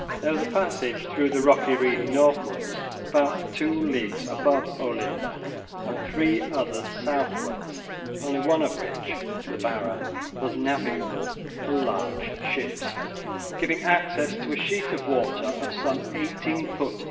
There was a passage through the rocky reef northwards about two leagues above Olinda and three others southwards (only one of which, the Barra, was navigable for large ships) giving access to a sheet of water of some 18 ft.